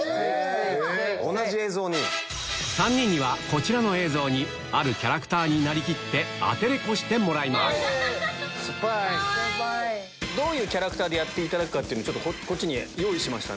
３人にはこちらの映像にあるキャラクターになりきってアテレコしてもらいますどういうキャラクターでやっていただくかこっちに用意しました。